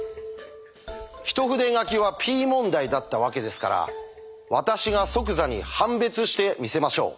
一筆書きはＰ問題だったわけですから私が即座に判別してみせましょう。